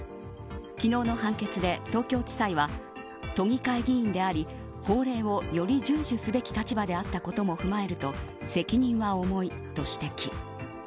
昨日の判決で、東京地裁は都議会議員であり、法令をより順守すべき立場であったことを踏まえると責任は重いと指摘。